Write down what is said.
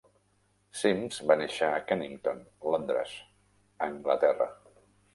Sims va néixer a Kennington, Londres, Anglaterra.